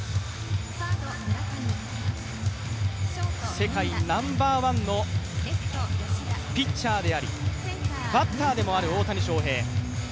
世界ナンバーワンのピッチャーであり、バッターでもある大谷翔平。